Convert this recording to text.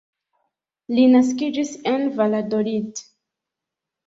Li naskiĝis en Valladolid.